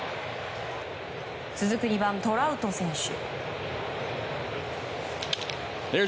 続く２番、トラウト選手。